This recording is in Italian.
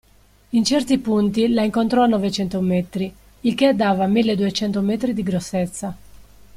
In certi punti la incontrò a novecento metri, il che dava milleduecento metri di grossezza.